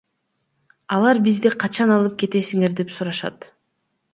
Алар бизди качан алып кетесиңер деп сурашат.